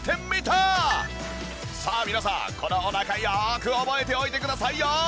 さあ皆さんこのお腹よーく覚えておいてくださいよ！